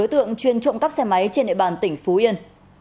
đối tượng chuyên trộm cắp xe máy trên địa bàn tỉnh phú yên